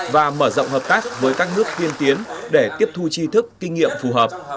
và mở rộng hợp tác với các nước tiên tiến để tiếp thu chi thức kinh nghiệm phù hợp